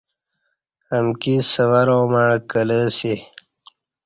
امکی سوراں مع کلہ اسی